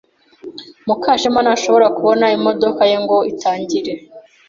Mukagashema ntashobora kubona imodoka ye ngo itangire.